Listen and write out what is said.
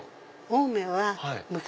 青梅は昔。